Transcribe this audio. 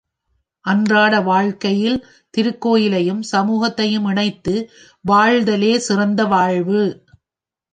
அன்றாட வாழ்க்கையில் திருக்கோயிலையும் சமூகத்தையும் இணைத்து வாழ்தலே சிறந்த வாழ்வு.